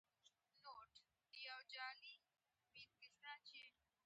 زما غږ رښتیا دی؛ نړۍ دې هم واوري.